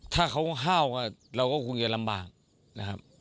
ถ้าเขาห้าวก็เราก็คงจะลำบากนะครับ